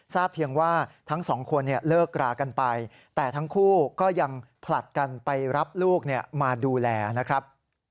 เพียงว่าทั้งสองคนเลิกรากันไปแต่ทั้งคู่ก็ยังผลัดกันไปรับลูกมาดูแลนะครับ